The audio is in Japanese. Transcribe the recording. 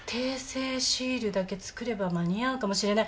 訂正シールだけ作れば間に合うかもしれない。